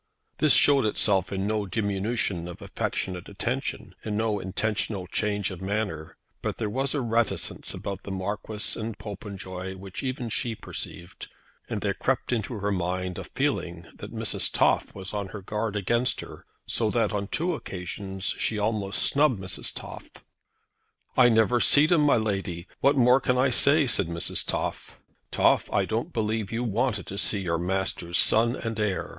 This showed itself in no diminution of affectionate attention; in no intentional change of manner; but there was a reticence about the Marquis and Popenjoy which even she perceived, and there crept into her mind a feeling that Mrs. Toff was on her guard against her, so that on two occasions she almost snubbed Mrs. Toff. "I never see'd him, my Lady; what more can I say?" said Mrs. Toff. "Toff, I don't believe you wanted to see your master's son and heir!"